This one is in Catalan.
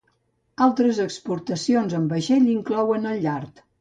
Altres exportacions amb vaixell inclouen el llard.